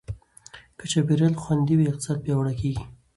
که چاپېریال خوندي وي، اقتصاد پیاوړی کېږي.